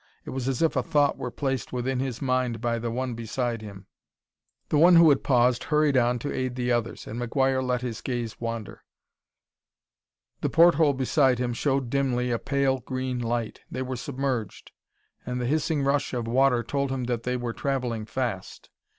It was as if a thought were placed within his mind by the one beside him. The one who had paused hurried on to aid the others, and McGuire let his gaze wander. The porthole beside him showed dimly a pale green light; they were submerged, and the hissing rush of water told him that they were travelling fast.